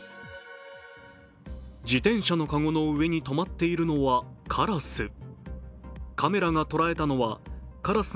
自転車の籠の上にとまっているのはカラス。